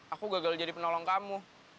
aku gagal jadi penolong kamu